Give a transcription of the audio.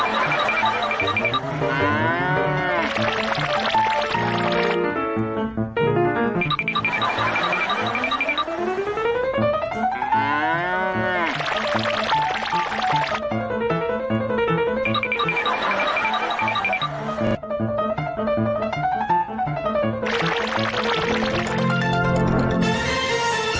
สวัสดีค่ะ